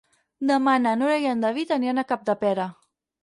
Demà na Nora i en David aniran a Capdepera.